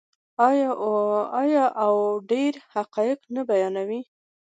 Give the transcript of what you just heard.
آیا او ډیر حقایق نه بیانوي؟